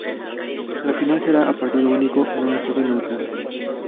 La final será a partido único en un estadio neutral.